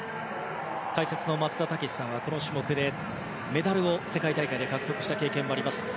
解説の松田丈志さんはこの種目でメダルを世界大会で獲得した経験もあります。